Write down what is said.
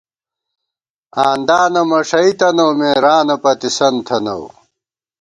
آندانہ تہ مݭَئی تنَؤ مے ، رانہ پَتِسَن تھنَؤ